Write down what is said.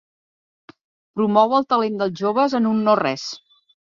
Promou el talent dels joves en un nores.